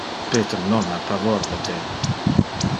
Peter non ha pavor de te.